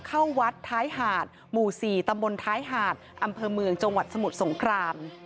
เข้าวัดท้ายหาดหมู่๔ตำบลท้ายหาดอำเภอเมืองจังหวัดสมุทรสงคราม